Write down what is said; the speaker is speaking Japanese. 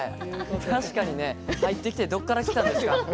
確かに入ってきてどこから来たんですか？